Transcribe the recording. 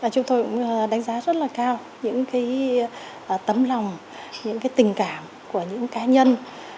chúng tôi đánh giá rất cao những tấm lòng những tình cảm của những cá nhân